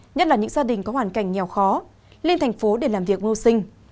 nhất là những gia đình có hoàn cảnh nghèo khó lên thành phố để làm việc ngô sinh